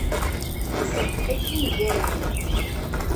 Ad kem-gganiɣ.